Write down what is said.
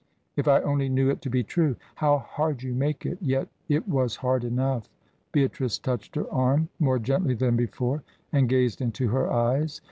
"If I only knew it to be true " "How hard you make it. Yet, it was hard enough." Beatrice touched her arm, more gently than before, and gazed into her eyes.